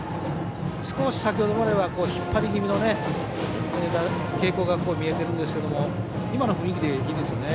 少し先ほどまでは引っ張り気味の傾向が見えていましたが今の雰囲気でいいですよね。